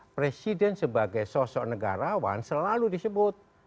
presiden sebagai sosok negarawan selalu disebut